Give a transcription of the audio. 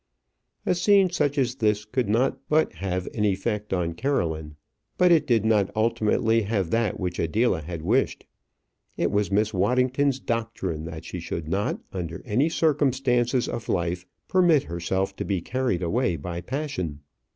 A scene such as this could not but have an effect on Caroline; but it did not ultimately have that which Adela had wished. It was Miss Waddington's doctrine that she should not under any circumstances of life permit herself to be carried away by passion.